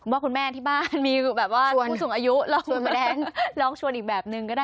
บอกคุณแม่ที่บ้านมีแบบว่าผู้สูงอายุลองชวนอีกแบบนึงก็ได้